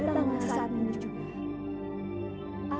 datanglah saat ini juga